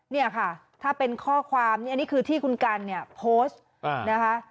เนี่ยค่ะถ้าเป็นข้อความนี่อันนี้คือที่คุณกันเนี่ยโพสต์นะคะ